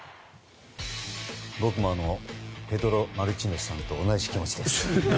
僕もペドロ・マルティネスさんと同じ気持ちです。